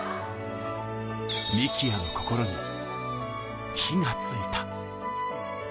幹也の心に火がついた。